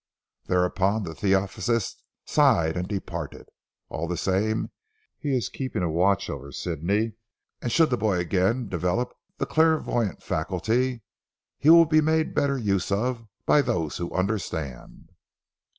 Thereupon the Theosophist sighed and departed. All the same he is keeping a watch over Sidney, and should the boy again develope the clairvoyant faculty, he will be made better use of, by those who understand.